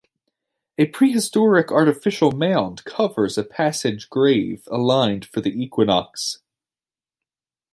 A prehistoric artificial mound covers a passage grave aligned for the equinox.